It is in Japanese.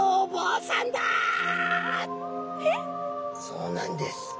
そうなんです。